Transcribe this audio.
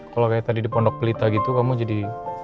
kalau kayak tadi di pondok pelita gitu kamu jadi